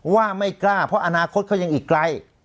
ว่าไม่กล้าเพราะอนาคตเขายังอีกไกล